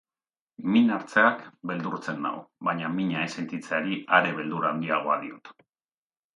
Min hartzeak beldurtzen nau, baina mina ez sentitzeari are beldur handiagoa diot.